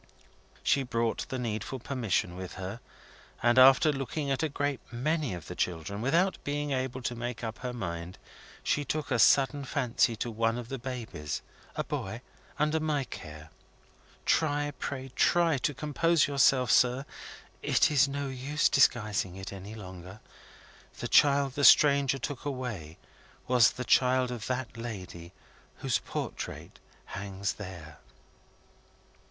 She brought the needful permission with her, and after looking at a great many of the children, without being able to make up her mind, she took a sudden fancy to one of the babies a boy under my care. Try, pray try, to compose yourself, sir! It's no use disguising it any longer. The child the stranger took away was the child of that lady whose portrait hangs there!"